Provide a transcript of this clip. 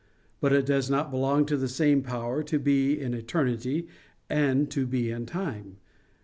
But it does not belong to the same power to be in eternity and to be in time.